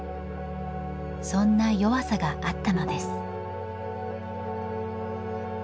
そんな弱さがあったのです。